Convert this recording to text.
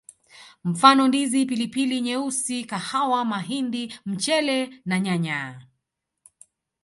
Mfano Ndizi Pilipili nyeusi kahawa mahindi mchele na nyanya